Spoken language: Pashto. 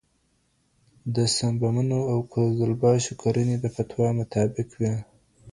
د سوبمنو او قزلباشو کړنې د فتوا مطابق وې.